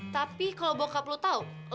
tapi kalau bokap lo tau lo dapat kemampuan